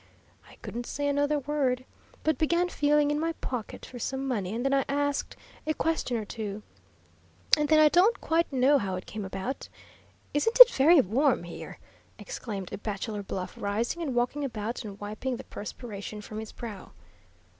I couldn't say another word, but began feeling in my pocket for some money, and then I asked a question or two, and then I don't quite know how it came about isn't it very warm here?" exclaimed Bachelor Bluff, rising and walking about, and wiping the perspiration from his brow.